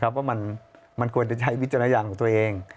ว่ามันควรจะใช้วิจารณญาณของตัวเอง